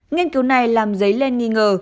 nghiên cứu này làm giấy lên nghi ngờ